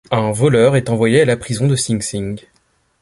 Un voleur est envoyé à la prison de Sing Sing.